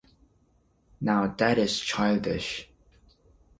Now, that is childish.